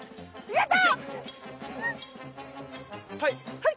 やった！